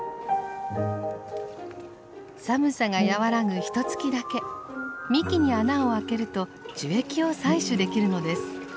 寒さが和らぐひとつきだけ幹に穴を開けると樹液を採取できるのです。